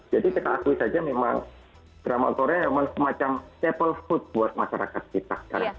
jadi saya akui saja memang drama korea memang semacam staple food buat masyarakat kita